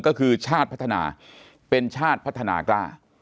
ก็คือชาติพัฒนาเป็นชาติพัฒนากล้า